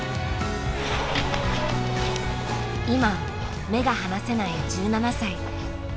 今目が離せない１７歳。